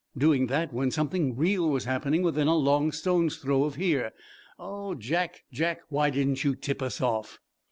"Doing that when something real was happening within a long stone's throw of here. Oh, Jack, Jack! Why didn't you tip us off?"